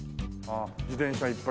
自転車いっぱい。